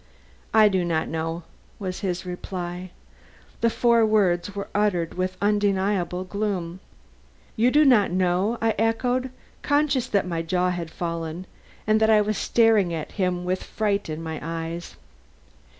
"I do not know," was his reply. The four words were uttered with undeniable gloom. "You do not know?" I echoed, conscious that my jaw had fallen, and that I was staring at him with fright in my eyes.